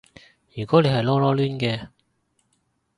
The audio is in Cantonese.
如果你係囉囉攣嘅